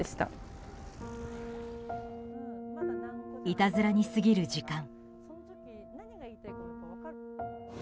いたずらに過ぎる時間。